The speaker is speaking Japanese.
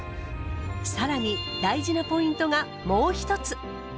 さらに大事なポイントがもう一つ。